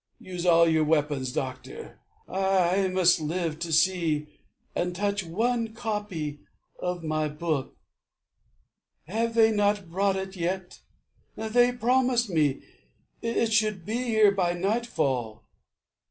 Use all your weapons, doctor. I must live To see and touch one copy of my book. Have they not brought it yet? They promised me It should be here by nightfall.